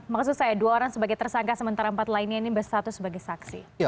maksud saya dua orang sebagai tersangka sementara empat lainnya ini bersatu sebagai saksi